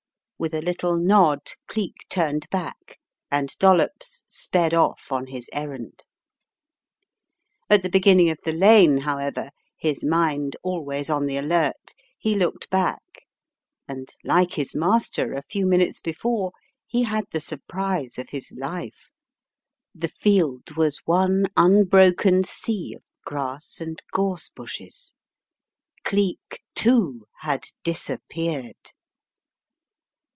With a little nod, Geek turned back and Dollops sped off on his errand. At the beginning of the lane, however, his mind always on the alert, he looked back, and like his master a few minutes before, he had the surprise of his life. The field was one un broken seat of grass and gorse bushes. Cleek, too, had disappeared!